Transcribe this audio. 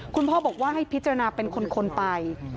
คุณพ่อบอกว่าให้พิจารณาเป็นคนไป